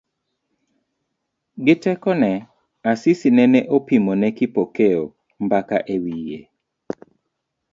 Gi tekone, Asisi nene opimone Kipokeo mbaka e wiye.